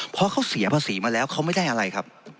เพราะเขาเสียภาษีมาแล้วเขาไม่ได้อะไรครับ